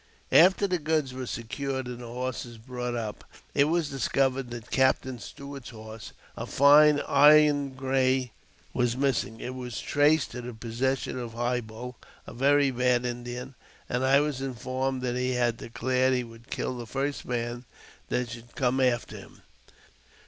After the goods were secured and the horses brought up, it was discovered that Captain Stuart's horse, a fine iron gray, was missing. It was traced to the possession of High Bull, a ■ very bad Indian, and I was informed that he had declared | he would kill the first man that should come after him.